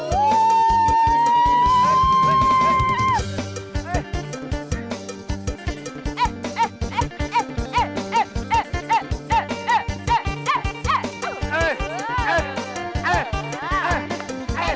อุ๊ยสนุกกันให้เต็มเพียงเลย